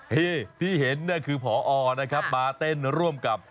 เฮ้ที่เห็นนี่คือพอมาเต้นร่วมกับ